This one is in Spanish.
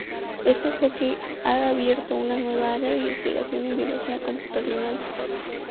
Este enfoque ha abierto una nueva área de investigación en biología computacional.